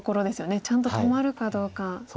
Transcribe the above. ちゃんと止まるかどうか。